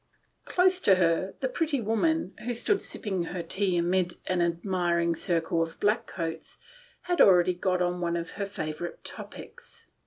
Close to her the pretty woman, who stood sipping her tea amid an admiring circle of black coats, had already got on to one of her favourite topics.